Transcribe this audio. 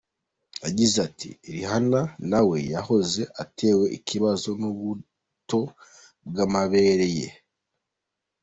Yagize ati :« Rihanna nawe yahoze atewe ikibazo n’ubuto bw’amabere ye.